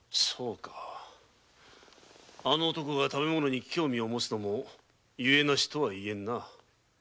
あの男が食べ物に興味をもつのもゆえなしとは言えんな。